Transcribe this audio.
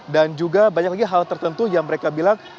dan juga banyak lagi hal tertentu yang mereka bilang